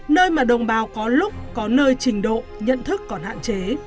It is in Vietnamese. nơi mà đồng bào có lúc có nơi trình độ nhận thức còn hạn chế